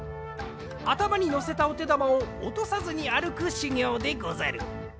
あたまにのせたおてだまをおとさずにあるくしゅぎょうでござる。